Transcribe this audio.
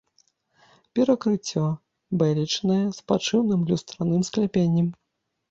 Перакрыццё бэлечнае з падшыўным люстраным скляпеннем.